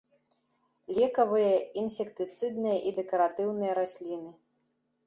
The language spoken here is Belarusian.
Лекавыя, інсектыцыдныя і дэкаратыўныя расліны.